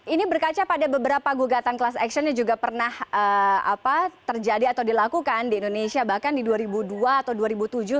ini berkaca pada beberapa gugatan class action yang juga pernah terjadi atau dilakukan di indonesia bahkan di dua ribu dua atau dua ribu tujuh